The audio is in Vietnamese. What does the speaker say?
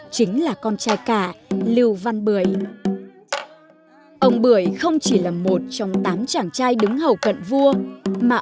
chính là con trai cả lưu văn bưởi ông bưởi không chỉ là một trong tám chàng trai đứng hầu cận